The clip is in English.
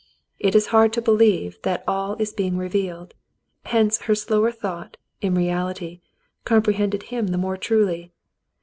It is hard to believe that all is being revealed, hence her slower thought, in reality, comprehended him the more truly.